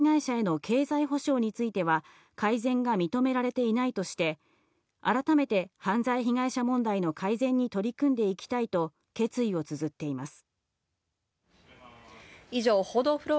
また犯罪被害者への経済補償については改善が認められていないとして、改めて犯罪被害者問題の改善に取り組んでいきたいと決意をつづっています。